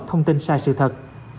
thông tin sai sự thật